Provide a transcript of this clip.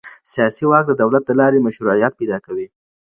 سياسي واک د دولت د لارې مشروعيت پيدا کوي.